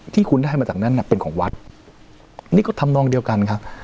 ที่คุณได้มาจากนั้นน่ะเป็นของวัดนี่ก็ทำนองเดียวกันครับ